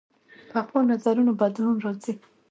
پخو نظرونو بدلون راځي